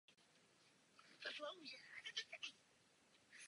Nastoupil do kina jako asistent.